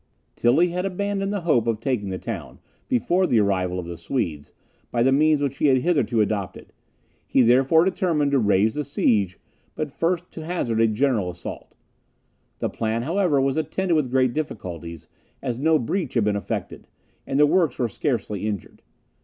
Tilly had abandoned the hope of taking the town, before the arrival of the Swedes, by the means which he had hitherto adopted; he therefore determined to raise the siege, but first to hazard a general assault. This plan, however, was attended with great difficulties, as no breach had been effected, and the works were scarcely injured.